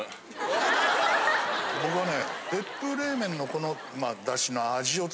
僕はね。